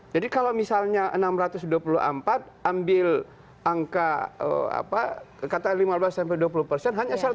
jadi kalau misalnya enam ratus dua puluh empat ambil angka apa kata lima belas sampai dua puluh persen hanya seratus orang